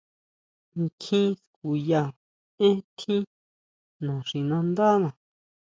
Kjín skuya énn tjín naxinándana.